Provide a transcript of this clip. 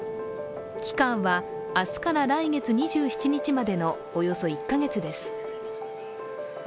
期間は明日から来月２７日までのおよそ１ヶ月です。